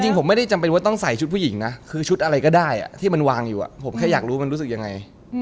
ผมไม่ได้จำเป็นว่าต้องใส่ชุดผู้หญิงนะคือชุดอะไรก็ได้ที่มันวางอยู่ผมแค่อยากรู้มันรู้สึกยังไง